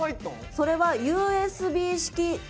それはＵＳＢ式加湿器。